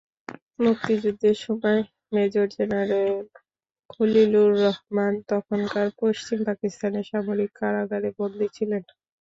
মুক্তিযুদ্ধের সময় major general Khalilur Rahman তখনকার পশ্চিম পাকিস্তানের সামরিক কারাগারে বন্দী ছিলেন।